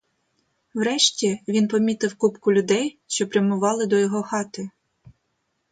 Врешті він помітив купку людей, що прямували до його хати.